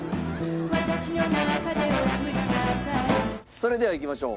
それではいきましょう。